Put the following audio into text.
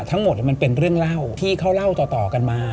มันเป็นเรื่องเล่าที่เขาเล่าต่อกันมา